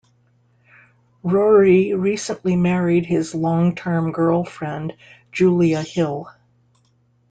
Rory recently married his long term girlfriend Julia Hill.